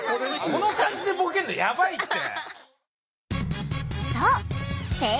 この感じでボケんのやばいって。